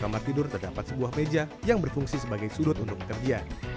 di antara ruang tidur terdapat sebuah meja yang berfungsi sebagai sudut untuk bekerja